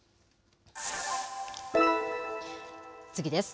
次です。